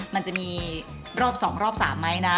มันจะมีรอบสองรอบสามไหมนะ